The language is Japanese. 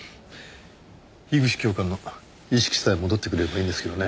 樋口教官の意識さえ戻ってくれればいいんですけどね。